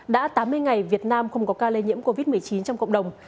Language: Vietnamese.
đã tám mươi ngày việt nam không có ca lây nhiễm covid một mươi chín trong cộng đồng